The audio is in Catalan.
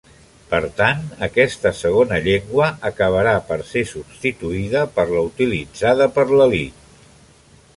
Per tant, aquesta segona llengua acabarà per ser substituïda per la utilitzada per l'elit.